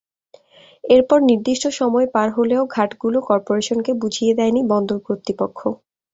এরপর নির্দিষ্ট সময় পার হলেও ঘাটগুলো করপোরেশনকে বুঝিয়ে দেয়নি বন্দর কর্তৃপক্ষ।